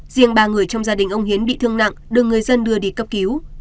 riêng ba người trong gia đình ông hiến bị thương nặng được người dân đưa đi cấp cứu